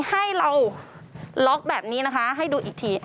ให้เราล็อกแบบนี้นะคะให้ดูอีกที